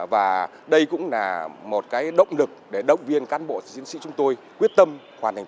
và đây cũng là một động lực để động viên cán bộ chiến sĩ chúng tôi quyết tâm hoàn thành